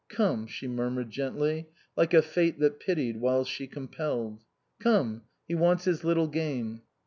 " Come," she murmured gently, like a fate that pitied while she compelled. " Come. He wants his little game."